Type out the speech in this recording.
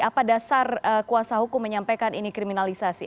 apa dasar kuasa hukum menyampaikan ini kriminalisasi